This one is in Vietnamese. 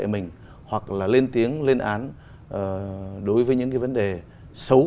mình hoặc là lên tiếng lên án đối với những cái vấn đề xấu